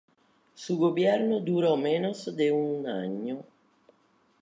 Su gobierno duró menos de un año.